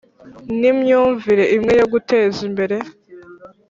N imyunvire imwe yo guteza imbere